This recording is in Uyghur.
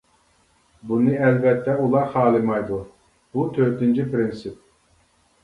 بۇنى ئەلۋەتتە ئۇلار خالىمايدۇ، بۇ تۆتىنچى پىرىنسىپ.